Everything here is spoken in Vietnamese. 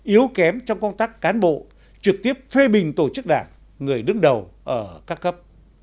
yếu kém trong công tác cán bộ trực tiếp phê bình tổ chức đảng người đứng đầu ở các cấp